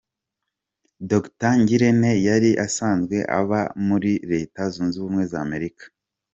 Dr Ngirente yari asanzwe aba muri Leta Zunze Ubumwe za Amerika.